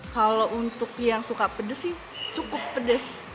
kalau untuk yang suka pedes sih cukup pedes